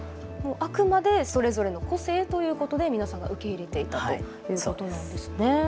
あくまでそれぞれの個性ということで、皆さん、受け入れていたということなんですね。